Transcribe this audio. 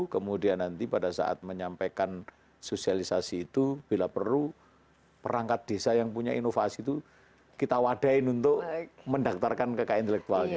kemudian nanti pada saat menyampaikan sosialisasi itu bila perlu perangkat desa yang punya inovasi itu kita wadain untuk mendaftarkan keka intelektualnya